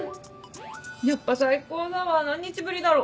やっぱ最高だわ何日ぶりだろ？